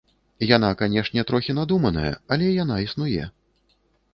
Яна, канешне, трохі надуманая, але яна існуе.